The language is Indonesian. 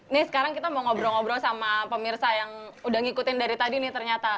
nih sekarang kita mau ngobrol ngobrol sama pemirsa yang udah ngikutin dari tadi nih ternyata